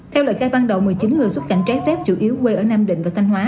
theo lời khai ban đầu một mươi chín người xuất cảnh trái phép chủ yếu quê ở nam định và thanh hóa